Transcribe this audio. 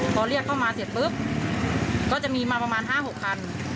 พอเรียกเข้ามาเสร็จปุ๊บก็จะมีมาประมาณ๕๖คัน